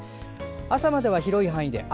朝までは広い範囲で雨。